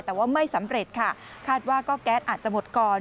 แต่ว่าไม่สำเร็จค่ะคาดว่าก็แก๊สอาจจะหมดก่อน